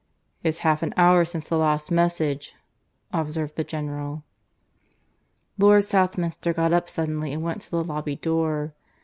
"It's half an hour since the last message," observed the General. Lord Southminster got up suddenly and went to the lobby door.